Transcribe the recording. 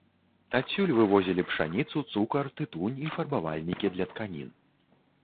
Адсюль вывозілі пшаніцу, цукар, тытунь і фарбавальнікі для тканін.